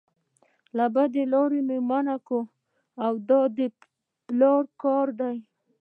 له بدې لارې مو منع کوي دا د پلار کار دی.